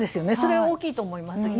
それは大きいと思います。